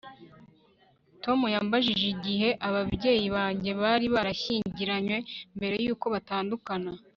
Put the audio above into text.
Tom yambajije igihe ababyeyi banjye bari barashyingiranywe mbere yuko batandukana